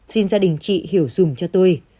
xin gia đình chị hiểu dùm cho tôi